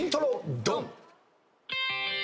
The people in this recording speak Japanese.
ドン！